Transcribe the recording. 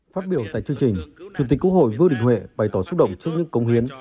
phát biểu tại chương trình chủ tịch quốc hội vương đình huệ bày tỏ xúc động trước những công hiến